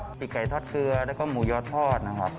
ปีกไก่ทอดเกลือแล้วก็หมูยอดทอดนะครับ